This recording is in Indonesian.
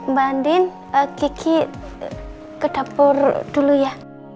mbak andin kiki ke dapur dulu ya